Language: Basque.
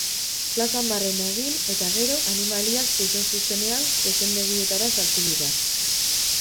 Plazan barrena egin eta gero, animaliak zuzen-zuzenean zezendegietara sartu dira.